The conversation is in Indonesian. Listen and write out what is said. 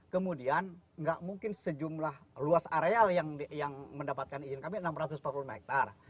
kemudian nggak mungkin sejumlah luas areal yang mendapatkan izin kami enam ratus empat puluh hektare